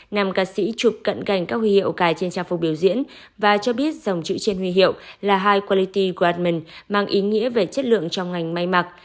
nam ca sĩ chụp cận cảnh các huy hiệu cài trên trang phục biểu diễn và cho biết dòng chữ trên huy hiệu là high quality guardment mang ý nghĩa về chất lượng trong ngành may mặc